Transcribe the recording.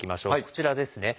こちらですね。